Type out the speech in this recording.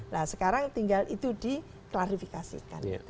nah sekarang tinggal itu diklarifikasikan